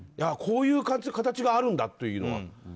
こういう形があるんだっていうのは。